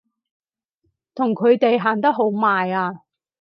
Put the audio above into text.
同佢哋行得好埋啊！